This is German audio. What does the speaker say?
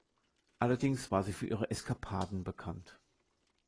Allerdings war sie für ihre Eskapaden bekannt.